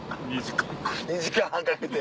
２時間かけて。